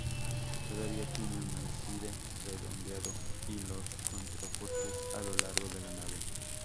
Todavía tiene un ábside redondeado, y los contrafuertes a lo largo de la nave.